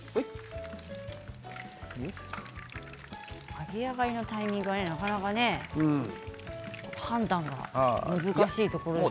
揚げ上がりのタイミングがなかなか判断が難しいところですね。